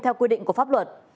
theo quy định của pháp luật